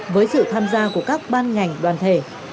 với sự tham gia của các ban ngành đoàn thể